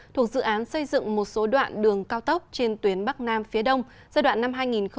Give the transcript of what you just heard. thuộc dự án xây dựng một số đoạn đường cao tốc trên tuyến bắc nam phía đông giai đoạn năm hai nghìn hai mươi hai nghìn hai mươi